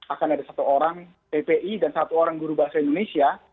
akan ada satu orang ppi dan satu orang guru bahasa indonesia